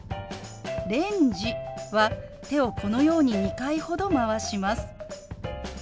「レンジ」は手をこのように２回ほどまわします。